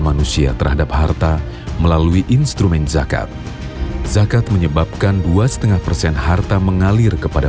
manusia terhadap harta melalui instrumen zakat zakat menyebabkan dua setengah persen harta mengalir kepada